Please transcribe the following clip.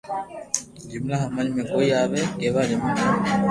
جملا ھمج مي ڪوئي َوي ڪيوا جمللا ٺاو